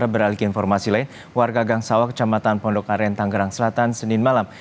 berhalik informasi lain warga gangsawak kecamatan pondokaren tanggerang selatan senin malam